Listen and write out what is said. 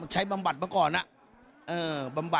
ใช้บำบัดเมื่อก่อนแผ่งได้ทั้งบำบัด